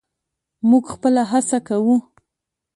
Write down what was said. موږ خپله هڅه کوو.